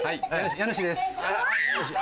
家主です。